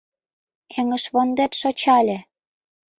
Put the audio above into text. Эҥыжвондет шочале.